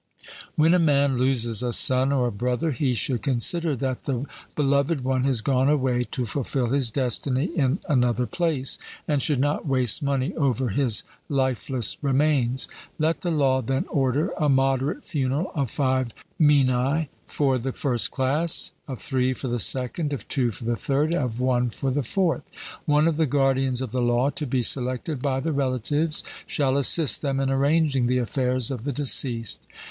When a man loses a son or a brother, he should consider that the beloved one has gone away to fulfil his destiny in another place, and should not waste money over his lifeless remains. Let the law then order a moderate funeral of five minae for the first class, of three for the second, of two for the third, of one for the fourth. One of the guardians of the law, to be selected by the relatives, shall assist them in arranging the affairs of the deceased.